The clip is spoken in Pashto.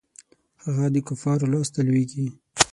هغه د کفارو لاسته لویږي.